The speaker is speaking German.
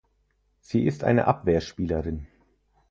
Sie ist eine Abwehrspielerin.